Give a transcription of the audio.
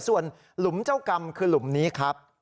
ส่วนหลุมเจ้ากรรมคือหลุมนี้ครับ